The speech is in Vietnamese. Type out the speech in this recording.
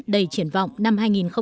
đầy triển vọng năm hai nghìn hai mươi